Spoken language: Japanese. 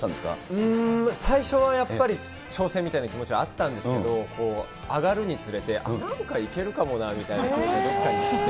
うーん、最初はやっぱり、挑戦みたいな気持ちはあったんですけど、上がるにつれて、なんかいけるかもなみたいな気持ちはどっかにあって。